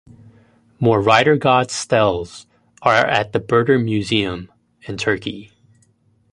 More "rider god" steles are at the Burdur Museum, in Turkey.